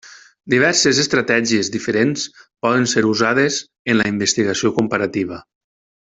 Diverses estratègies diferents poden ser usades en la investigació comparativa.